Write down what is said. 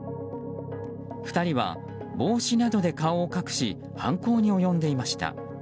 ２人は帽子などで顔を隠し犯行に及んでいました。